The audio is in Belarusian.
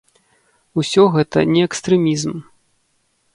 Усё гэта не экстрэмізм.